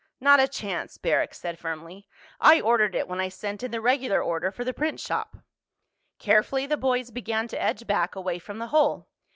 "Not a chance," Barrack said firmly. "I ordered it when I sent in the regular order for the print shop." Carefully the boys began to edge back, away from the hole.